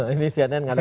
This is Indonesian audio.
ini cnn nggak ada